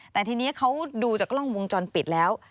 แต่ทีนี้เขาดูจากกล้องวงจรปิดแล้ว